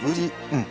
うん。